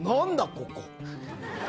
ここ」。